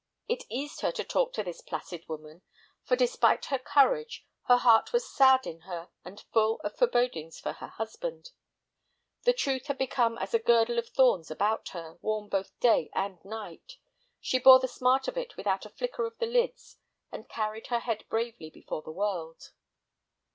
It eased her to talk to this placid woman, for, despite her courage, her heart was sad in her and full of forebodings for her husband. The truth had become as a girdle of thorns about her, worn both day and night. She bore the smart of it without a flicker of the lids, and carried her head bravely before the world.